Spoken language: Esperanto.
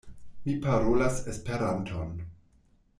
Mi parolas Esperanton.